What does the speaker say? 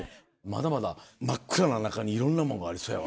まだまだ真っ暗な中にいろんなもんがありそうやわ。